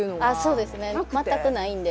そうですね全くないんで。